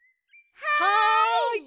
はい！